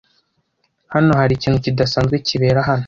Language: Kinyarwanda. Hano hari ikintu kidasanzwe kibera hano.